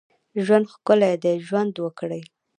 ژوند ښکلی دی ، ژوند وکړئ